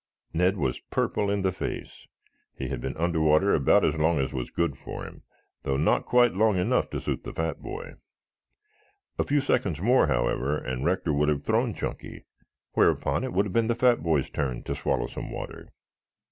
Ned was purple in the face. He had been under water about as long as was good for him, though not quite long enough to suit the fat boy. A few seconds more, however, and Rector would have thrown Chunky, whereupon it would have been the fat boy's turn to swallow some water.